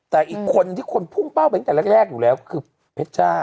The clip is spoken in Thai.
แต่อีกคนที่คนพุ่งเป้าไปตั้งแต่แรกอยู่แล้วคือเพชรจ้า